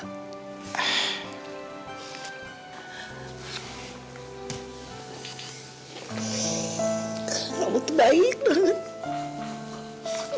kamu tuh baik banget